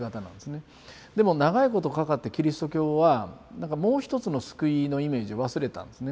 でも長いことかかってキリスト教はなんかもう一つの救いのイメージを忘れたんですね